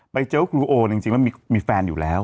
ไปเจอกับครูโอเนี่ยจริงว่ามีแฟนอยู่แล้ว